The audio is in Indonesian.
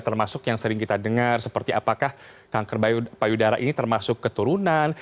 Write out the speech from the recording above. termasuk yang sering kita dengar seperti apakah kanker payudara ini termasuk keturunan